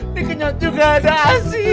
ini kenyot juga ada asin